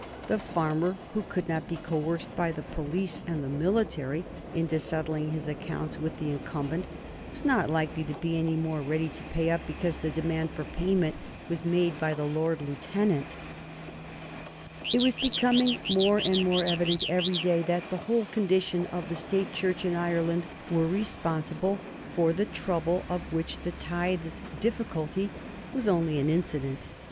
The farmer who could not be coerced by the police and the military into settling his accounts with the incumbent was not likely to be any the more ready to pay up because the demand for payment was made by the Lord Lieutenant. [Sidenote: 1834 Henry Ward and the Irish Church] It was becoming more and more evident every day that the whole conditions of the State Church in Ireland were responsible for the trouble of which the tithes difficulty was only an incident.